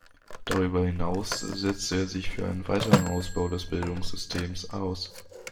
Darüber hinaus setzte er sich für einen weiteren Ausbau des Bildungssystems aus.